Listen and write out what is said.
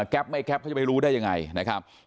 กรับไม่กรับเขาจะไปรู้ได้ยังไงนะครับ